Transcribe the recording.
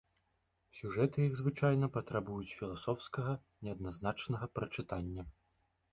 Сюжэты іх звычайна патрабуюць філасофскага, неадназначнага прачытання.